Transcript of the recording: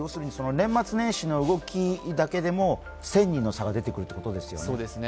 年末年始の動きだけでも１０００人の差が出てくるということですよね。